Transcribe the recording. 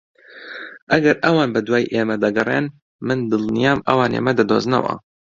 ئەگەر ئەوان بەدوای ئێمە دەگەڕێن، من دڵنیام ئەوان ئێمە دەدۆزنەوە.